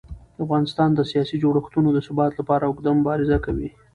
افغانستان د سیاسي جوړښتونو د ثبات لپاره اوږده مبارزه کوي